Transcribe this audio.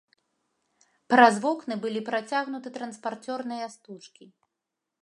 Праз вокны былі працягнуты транспарцёрныя стужкі.